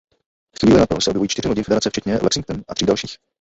Chvíli na to se objevují čtyři lodi Federace včetně "Lexington" a tří dalších.